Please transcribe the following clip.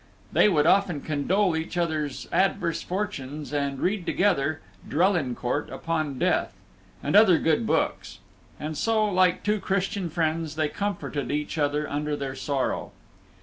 They would often condole each other's adverse fortunes, and read together Drelincourt upon Death, and other good books; and so, like two Christian friends, they comforted each other under their sorrow.